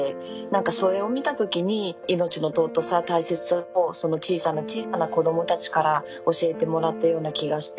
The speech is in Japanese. それを見た時に命の尊さ大切さをその小さな小さな子供たちから教えてもらったような気がして。